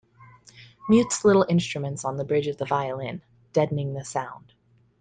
Mutes little instruments on the bridge of the violin, deadening the sound.